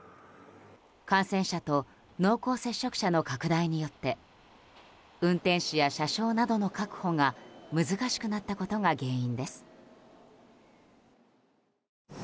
感染者と濃厚接触者の拡大によって運転士や車掌などの確保が難しくなったことが原因です。